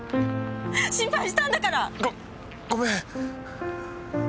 心配したんだから！ごごめん。